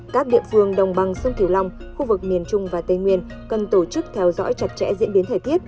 các địa phương đồng bằng sông kiều long khu vực miền trung và tây nguyên cần tổ chức theo dõi chặt chẽ diễn biến thời tiết